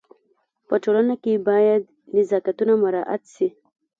په ټولنه کي باید نزاکتونه مراعت سي.